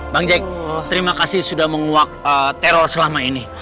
bang jek terima kasih sudah menguak terol selama ini